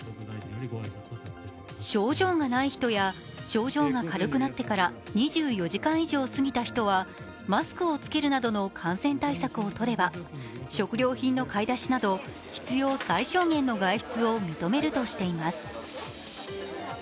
症状がない人や症状が軽くなってから２４時間以上すぎた人はマスクを着けるなどの感染対策を取れば食料品の買い出しなど、必要最小限の外出を認めるとしています。